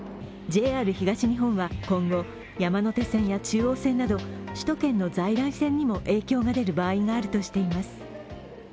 ＪＲ東日本は今後山手線や、中央線など首都圏の在来線にも影響が出る場合があるとしています。